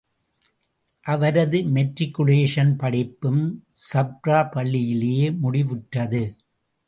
அவரது மெட்ரிகுலேஷன் படிப்பும், சப்ரா பள்ளியிலேயே முடிவுற்றது.